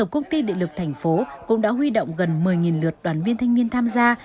công ty điện lực tp hcm cũng đã huy động gần một mươi lượt đoàn viên thanh niên tham gia